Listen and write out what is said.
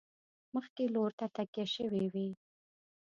مخکې لور ته تکیه شوي وي.